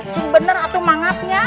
sing bener atu mangapnya